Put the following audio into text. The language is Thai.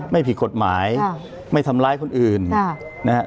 ไม่ผิดกฎหมายไม่ทำร้ายคนอื่นนะฮะ